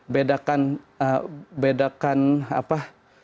bedakan bedakan apa